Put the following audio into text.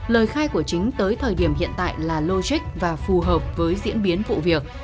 lời khai của chính tới thời điểm hiện tại là logic và phù hợp với diễn biến vụ việc